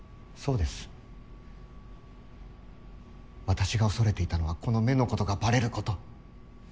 私が恐れていたのはこの目のことがバレること。